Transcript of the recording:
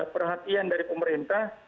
perhatian dari pemerintah